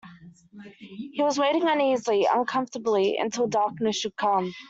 He was waiting uneasily, uncomfortably, until darkness should come.